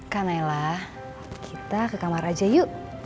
kak nailah kita ke kamar aja yuk